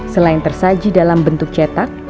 selain tersaji dalam bentuk cetak